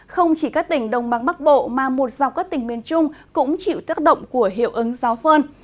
không chỉ các tỉnh đông bắc bộ mà một dọc các tỉnh miền trung cũng chịu tác động của hiệu ứng gió phơn